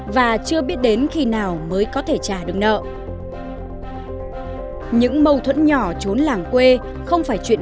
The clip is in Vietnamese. và chưa biết đến khi nào mới có thể trả được nợ những mâu thuẫn nhỏ trốn làng quê không phải chuyện